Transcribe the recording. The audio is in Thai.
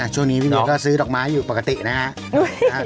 ช่วงนี้พี่นุ้ยก็ซื้อดอกไม้อยู่ปกตินะครับ